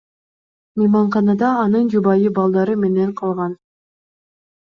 Мейманканада анын жубайы балдары менен калган.